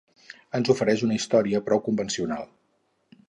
Ens ofereix una història prou convencional